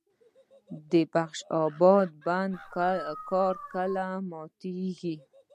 د بخش اباد بند کار کله ماتیږي؟